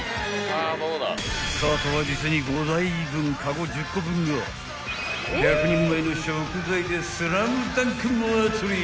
［カートは実に５台分カゴ１０個分が１００人前の食材でスラムダンク祭り］